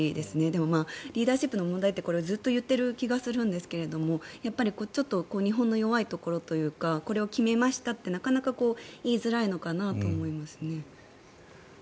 でもまあ、リーダーシップの問題ってこれはずっと言っている気がするんですがやっぱりちょっと日本の弱いところというかこれを決めましたってなかなか言いづらいのかなと思いますね。